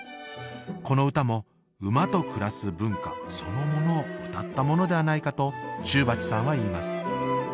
この歌も馬と暮らす文化そのものをうたったものではないかと中鉢さんは言います